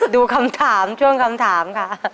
ดูคำถามช่วงคำถามค่ะ